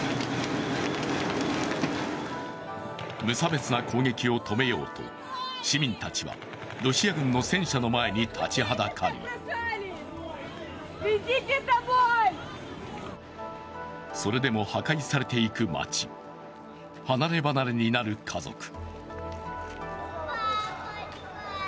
無差別な攻撃を止めようと、市民たちはロシア軍の戦車の前に立ちはだかりそれでも破壊されていく街、離ればなれになる家族。